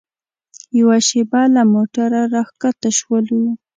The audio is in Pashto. یوه شېبه له موټره راښکته شولو.